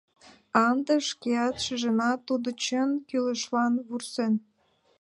А ынде шкеат шижына, — тудо чын, кӱлешлан вурсен.